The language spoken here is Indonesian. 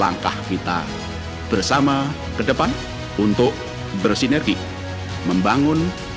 langkah kita bersama ke depan untuk bersinergi membangun